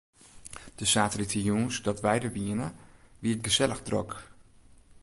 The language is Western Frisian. De saterdeitejûns dat wy der wiene, wie it gesellich drok.